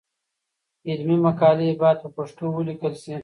علمي مقالې باید په پښتو ولیکل شي.